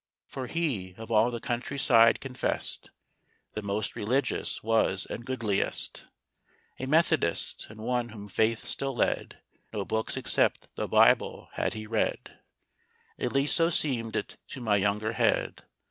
For he, of all the country side confessed, The most religious was and goodliest; A Methodist, and one whom faith still led, No books except the Bible had he read At least so seemed it to my younger head.